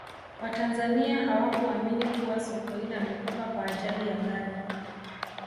watanzania hawakuamini kuwa sokoine amekufa kwa ajali ya gari